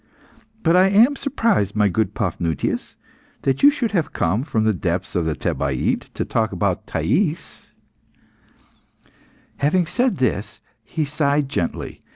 But I am surprised, my good Paphnutius, that you should have come from the depths of the Thebaid to talk about Thais." Having said this, he sighed gently.